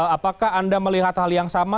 apakah anda melihat hal yang sama